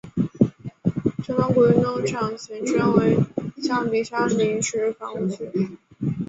城门谷运动场前身为象鼻山临时房屋区。